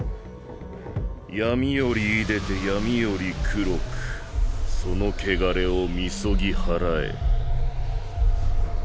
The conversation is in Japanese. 闇より出でて闇より黒くその穢れを禊ぎ祓え。